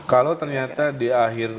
kalau ternyata di akhir